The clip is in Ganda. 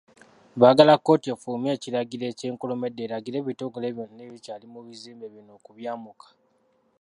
Baagala kkooti efulumye ekiragiro ekyenkomeredde eragire ebitongole byonna ebikyali mu bizimbe bino okubyamuka.